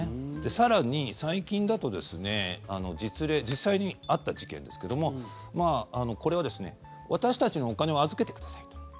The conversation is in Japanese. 更に、最近だとですね実際にあった事件ですけどもこれはですね私たちにお金を預けてください。